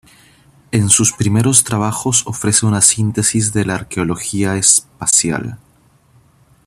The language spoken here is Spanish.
En sus primeros trabajos ofrece una síntesis de la arqueología espacial.